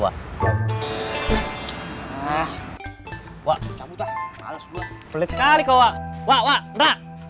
wah wah berat